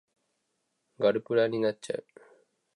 ガルプラになっちゃう